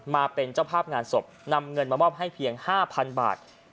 มาเป็นเจ้าภาพงานศพนำเงินมามอบให้เพียง๕๐๐๐บาท